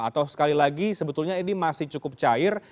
atau sekali lagi sebetulnya ini masih cukup cair